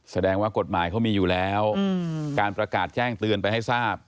แสดงว่ากฎหมายเขามีอยู่แล้วการประกาศแจ้งเตือนไปให้ทราบ